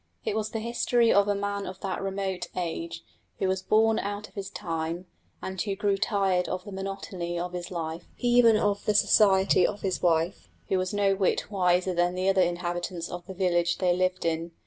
It was the history of a man of that remote age, who was born out of his time, and who grew tired of the monotony of his life, even of the society of his wife, who was no whit wiser than the other inhabitants of the village they lived in.